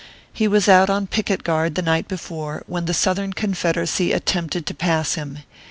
He was out on picket guard the night before, when the Southern Confederacy attempted to pass him.